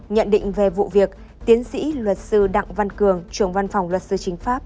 nhận định về vụ việc tiến sĩ luật sư đặng văn cường trưởng văn phòng luật sư chính pháp